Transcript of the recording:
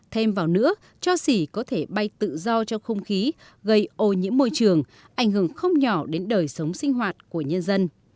thêm vào nữa cho xỉ có thể bay tự do cho không khí gây ô nhiễm môi trường ảnh hưởng không nhỏ đến đời sống sinh hoạt của nhân dân